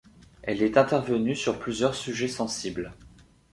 Elle est intervenue sur plusieurs sujets sensibles.